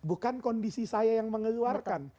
bukan kondisi saya yang mengeluarkan